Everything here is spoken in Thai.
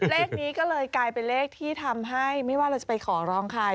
เลขนี้ก็เลยกลายเป็นเลขที่ทำให้ไม่ว่าเราจะไปขอร้องใคร